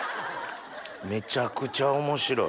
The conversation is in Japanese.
めちゃくちゃ面白い。